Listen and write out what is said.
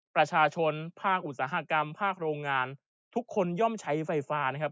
ประชาชนภาคอุตสาหกรรมภาคโรงงานทุกคนย่อมใช้ไฟฟ้านะครับ